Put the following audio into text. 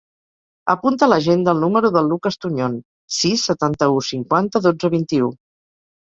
Apunta a l'agenda el número del Lucas Tuñon: sis, setanta-u, cinquanta, dotze, vint-i-u.